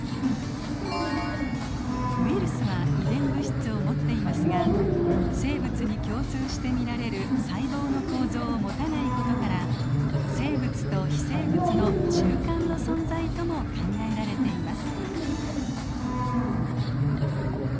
ウイルスは遺伝物質を持っていますが生物に共通して見られる細胞の構造を持たないことから生物と非生物の中間の存在とも考えられています。